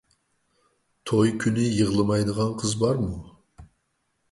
توي كۈنى يىغلىمايدىغان قىز بارمۇ؟